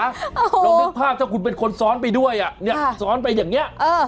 ลองนึกภาพถ้าคุณเป็นคนซ้อนไปด้วยอ่ะเนี่ยซ้อนไปอย่างนี้